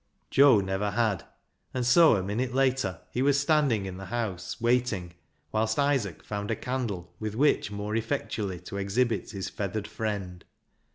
Joe never had, and so a minute later he was standing in the house, waiting whilst Isaac found a candle with which more effectually to exhibit his feathered friend.